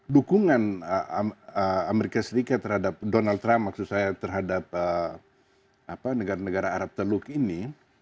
dukungan amerika serikat terhadap donald trump maksud saya terhadap negara negara arab teluk ini